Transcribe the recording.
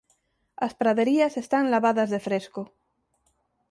As praderías están lavadas de fresco.